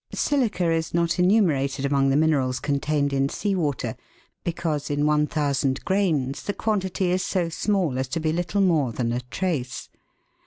Silica is not enumerated among the minerals contained in sea water, because in 1,000 grains the quantity is so small as to be little more than a trace.